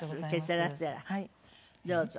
どうぞ。